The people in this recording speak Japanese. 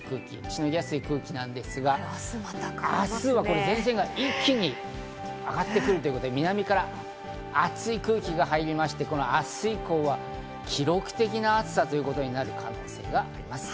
しのぎやすい空気ですが明日は前線が一気に上がってくるので、南から暑い空気が入りまして、明日以降は記録的な暑さになる可能性があります。